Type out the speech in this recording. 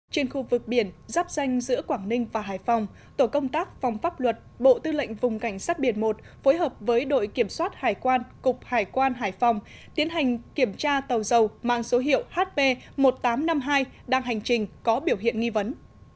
trên khu vực biển giáp danh giữa quảng ninh và hải phòng tổ công tác phòng pháp luật bộ tư lệnh vùng cảnh sát biển một phối hợp với đội kiểm soát hải quan cục hải quan hải phòng tiến hành kiểm tra tàu dầu mang số hiệu hp một nghìn tám trăm năm mươi hai đang hành trình có biểu hiện nghi vấn